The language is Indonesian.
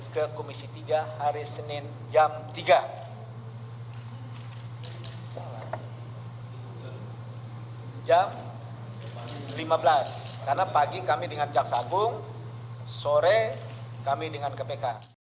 kepada komisi tiga hari senin jam lima belas karena pagi kami dengan jaksagung sore kami dengan kpk